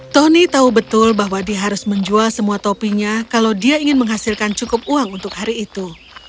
tony tahu betul bahwa dia harus menjual semua topinya kalau dia ingin menghasilkan cukup uang untuk hari itu